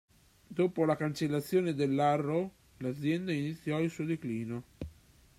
Dopo la cancellazione dell'Arrow l'azienda iniziò il suo declino.